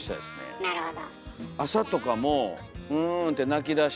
あなるほど。